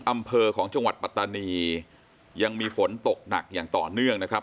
อำเภอของจังหวัดปัตตานียังมีฝนตกหนักอย่างต่อเนื่องนะครับ